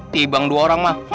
ti bang dua orang mah